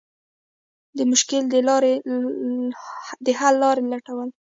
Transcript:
د مشکل د حل لارې لټول.